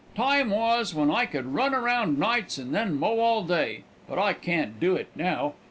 Time was when I could run around nights and then mow all day, but I can't do it now.